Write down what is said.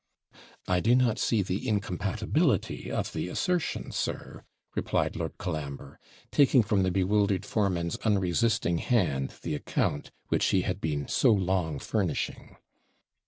'I do not see the incompatibility of the assertion, sir,' replied Lord Colambre, taking from the bewildered foreman's unresisting hand the account, which he had been so long FURNISHING.